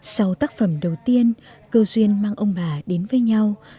sau tác phẩm đầu tiên cơ duyên mang ông bà đến với nhau